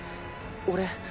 俺。